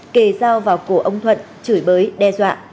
kề dao vào cổ ông thuận chửi bới đe dọa